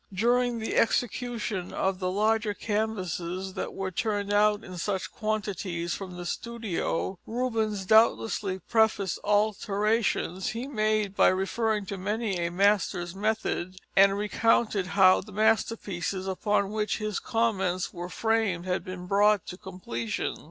During the execution of the large canvasses that were turned out in such quantities from the studio, Rubens doubtlessly prefaced alterations he made by referring to many a master's method, and recounted how the masterpieces upon which his comments were framed had been brought to completion.